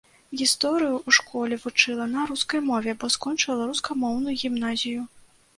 Гісторыю ў школе вучыла на рускай мове, бо скончыла рускамоўную гімназію.